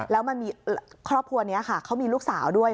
แล้วมันมีครอบครัวนี้ค่ะเขามีลูกสาวด้วย